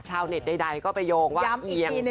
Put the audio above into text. ชาวแหนดใดก็ไปโยงว่าเกียงซ้าย